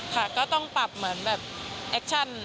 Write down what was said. ค่ะก็ต้องปรับเหมือนแบบแอคชั่น